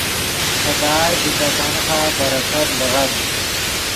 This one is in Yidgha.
خدائے دے تے تنخواہ برکت لیغد۔